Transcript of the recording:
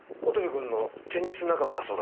君のテニス仲間だそうだね？